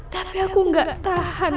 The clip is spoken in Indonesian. tapi aku gak tahan